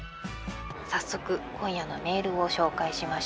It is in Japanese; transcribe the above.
早速今夜のメールを紹介しましょう。